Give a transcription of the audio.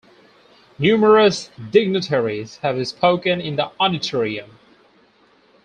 Numerous dignitaries have spoken in the Auditorium.